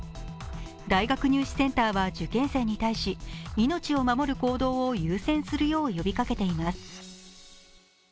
大学入試センターは受験生に対し命を守る行動を優先するよう呼びかけています。